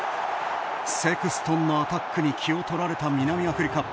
セクストンのアタックに気を取られた南アフリカ。